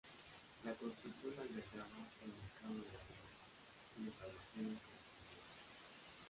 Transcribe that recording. La construcción albergaba el mercado de la lana y los almacenes correspondientes.